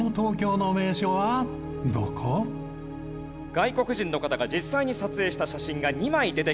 外国人の方が実際に撮影した写真が２枚出てきます。